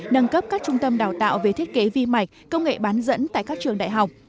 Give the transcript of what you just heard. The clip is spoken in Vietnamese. nâng cấp các trung tâm đào tạo về thiết kế vi mạch công nghệ bán dẫn tại các trường đại học